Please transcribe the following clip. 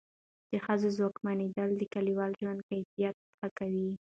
د ښځو ځواکمنېدل د کلیوال ژوند کیفیت ښه کوي.